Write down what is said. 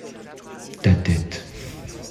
Ta tête.